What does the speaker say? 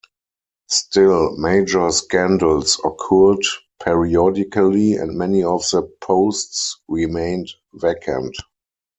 Still, major scandals occurred periodically, and many of the posts remained vacant.